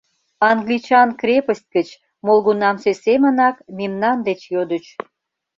Англичан крепость гыч, молгунамсе семынак, мемнан деч йодыч: